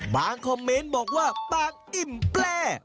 คอมเมนต์บอกว่าปากอิ่มแปล